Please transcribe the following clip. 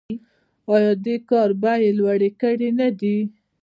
آیا دې کار بیې لوړې کړې نه دي؟